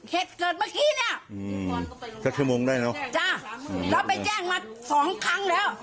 เหตุเหตุเกิดเมื่อกี้เนี้ยอืมได้เนอะจ้ะแล้วไปแจ้งมาสองครั้งแล้ว